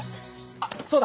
あっそうだ。